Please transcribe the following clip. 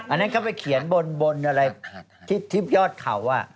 อันนั้นเขาไปเขียนบนอะไรที่ยอดเขา